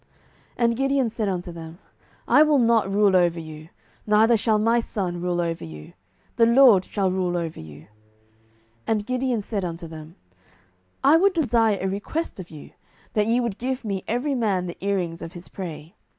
07:008:023 And Gideon said unto them, I will not rule over you, neither shall my son rule over you: the LORD shall rule over you. 07:008:024 And Gideon said unto them, I would desire a request of you, that ye would give me every man the earrings of his prey.